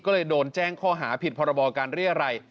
ก็เลยโดนแจ้งข้อหาผิดพรบการเรียรัย